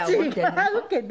違うけど！